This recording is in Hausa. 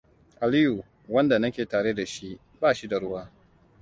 Aliyu, wanda nake tare da shi, ba shi da ruwa.